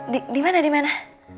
di dimana dimana